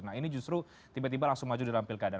nah ini justru tiba tiba langsung maju dalam pilkada